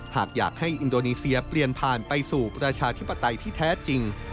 หากอยากให้อินโดนีเซียเปลี่ยนผ่านไปสู่ประชาธิปไตยที่แท้จริง